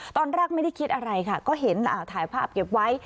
ตอนแรกไม่ได้คิดอะไรค่ะก็เห็นถ่ายภาพเก็บไว้